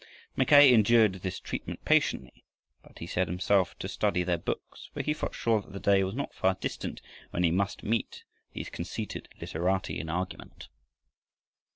Mackay endured this treatment patiently, but he set himself to study their books, for he felt sure that the day was not far distant when he must meet these conceited literati in argument.